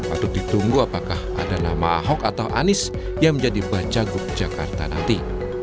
untuk ditunggu apakah ada nama ahok atau anies yang menjadi bacagub jakarta nanti